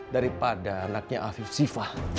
daripada anaknya afif sifah